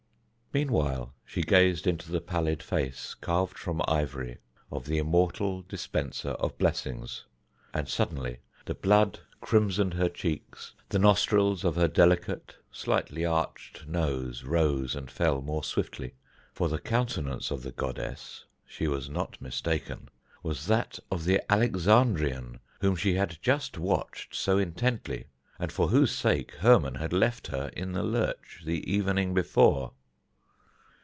Meanwhile she gazed into the pallid face, carved from ivory, of the immortal dispenser of blessings, and suddenly the blood crimsoned her cheeks, the nostrils of her delicate, slightly arched nose rose and fell more swiftly, for the countenance of the goddess she was not mistaken was that of the Alexandrian whom she had just watched so intently, and for whose sake Hermon had left her in the lurch the evening before.